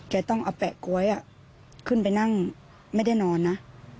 ต้องเอาแปะก๊วยขึ้นไปนั่งไม่ได้นอนนะ